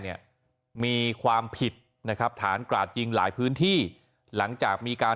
เนี่ยมีความผิดนะครับฐานกราดยิงหลายพื้นที่หลังจากมีการ